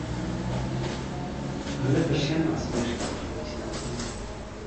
Гэта ж яна смешкі строіць над ім.